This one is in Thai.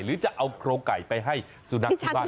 หรือจะเอาโครงไก่ไปให้สุนัขที่บ้าน